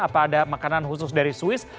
apa ada makanan khusus dari swiss